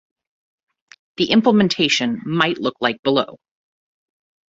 The implementation might look like below.